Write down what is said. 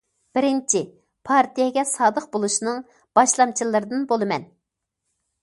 بىرىنچى، پارتىيەگە سادىق بولۇشنىڭ باشلامچىلىرىدىن بولىمەن.